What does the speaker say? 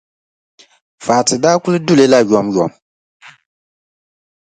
Fati daa kuli du li la yomyom.